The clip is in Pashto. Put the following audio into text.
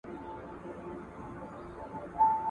سلام مونه زدیدی ژابینه رازیم حلاکوام داژبه جوراکی